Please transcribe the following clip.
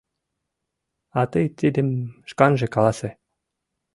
— А тый тидым шканже каласе.